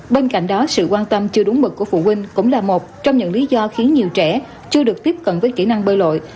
bên cạnh đó sự quan tâm chưa đúng mực của phụ huynh cũng là một trong những lý do khiến nhiều trẻ chưa được tiếp cận với kỹ năng bơi lội